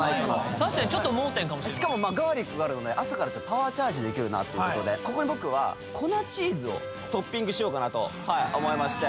確かにちょっと盲点かもしかもガーリックがあるので朝からパワーチャージできるなって僕は粉チーズをトッピングしようかなと思いまして・